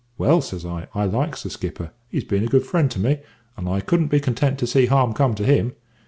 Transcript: "`Well,' says I, `I likes the skipper; he's been a good friend to me, and I couldn't be content to see harm come to him.